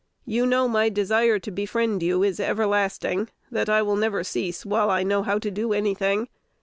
You know my desire to befriend you is everlasting; that I will never cease while I know how to do any thing.